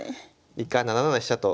以下７七飛車と。